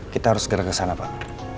kita harus segera kesana pak